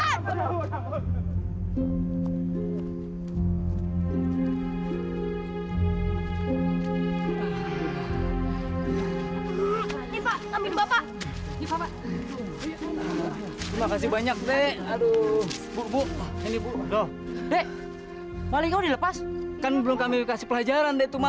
ini pak amin bapak bapak terima kasih banyak dek aduh bu bu bu bu bu bu bu bu bu bu bu bu